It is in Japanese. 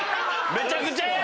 めちゃくちゃや！